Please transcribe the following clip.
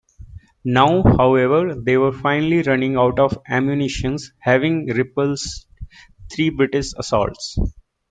Now, however, they were finally running out of ammunition, having repulsed three British assaults.